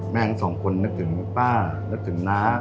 ทั้งสองคนนึกถึงป้านึกถึงน้า